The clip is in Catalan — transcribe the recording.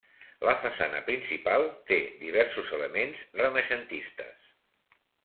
La façana principal té diversos elements renaixentistes.